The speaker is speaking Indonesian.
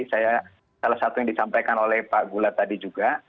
saya salah satu yang disampaikan oleh pak gula tadi juga